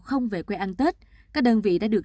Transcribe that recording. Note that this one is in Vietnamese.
không về quê ăn tết các đơn vị đã được